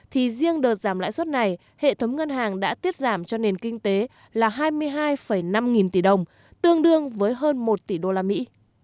thì riêng đợt giảm lãi suất này hệ thống ngân hàng đã tiết giảm cho nền kinh tế là hai mươi hai năm nghìn tỷ đồng tương đương với hơn một tỷ đô la mỹ